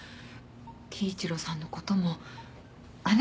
貴一郎さんのこともあなた。